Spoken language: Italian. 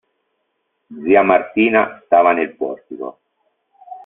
Zia Martina stava nel portico.